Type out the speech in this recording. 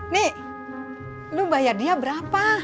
nih lu bayar dia berapa